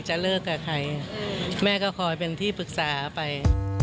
จะเลิกกับใครแม่ก็คอยเป็นที่ปรึกษาไป